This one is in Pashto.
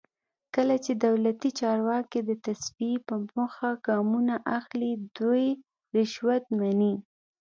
کله چې دولتي چارواکي د تصفیې په موخه ګامونه اخلي دوی رشوت مني.